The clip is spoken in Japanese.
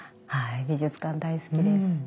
はい美術館大好きです。